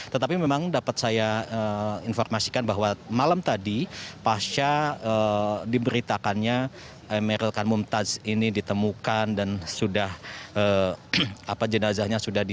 tetapi memang dapat saya informasikan bahwa malam tadi pasca diberitakannya emeril kanmum taj ini ditemukan dan sudah